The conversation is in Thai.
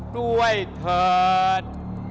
ด้วยเถิด